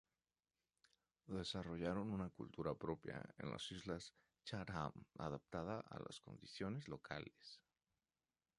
Desarrollaron una cultura propia en las islas Chatham adaptada a las condiciones locales.